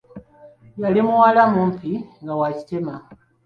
Yali muwala mumpi nga wa kitema.